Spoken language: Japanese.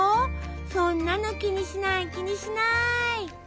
そんなの気にしない気にしない！